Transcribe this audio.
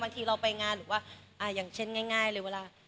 บางทีเราไปงานหรือว่าอย่างเช่นง่ายเลยเวลา